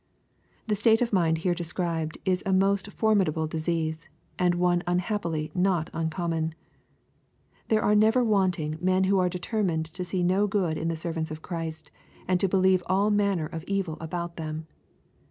The state of mind here described is a most formidable disease, and one unhappily not uncommon. There are never wanting men who are determined to see no good in the servants of Christ, and to believe all manner of evil about them.